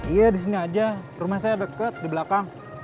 iya di sini aja rumah saya dekat di belakang